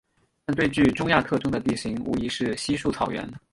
但最具中亚特征的地形无疑是稀树草原。